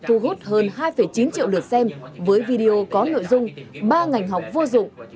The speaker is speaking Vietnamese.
thu hút hơn hai chín triệu lượt xem với video có nội dung ba ngành học vô dụng